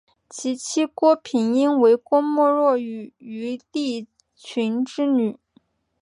其妻郭平英为郭沫若与于立群之女。